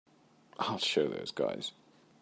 I'll show those guys.